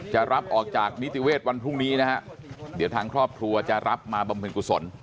จะรับออกจากนิติเวศวันพรุ่งนี้นะฮะเดี๋ยวทางครอบครัวจะรับมาบำเพ็ญกุศล